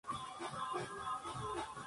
Ninguno de ellos está cubierto.